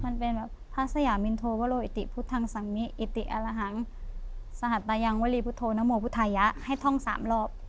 มันเป็นแบบพระสยามินโทวโลอิติพุทธังสังมิอิติอรหังสหัตตายังวลีพุทธนโมพุทธายะให้ท่องสามรอบ